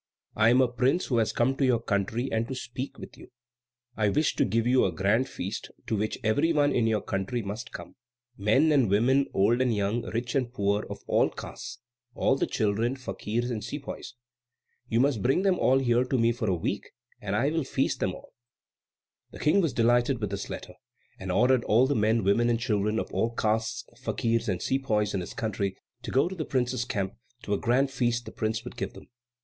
I am a prince who has come to see your country and to speak with you. I wish to give you a grand feast, to which every one in your country must come men and women, old and young, rich and poor, of all castes; all the children, fakirs, and sepoys. You must bring them all here to me for a week, and I will feast them all." The King was delighted with this letter, and ordered all the men, women, and children of all castes, fakirs, and sepoys, in his country to go to the prince's camp to a grand feast the prince would give them.